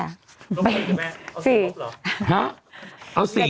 ลบ๔จ๊ะแม่เอา๔ลบเหรอห๊ะ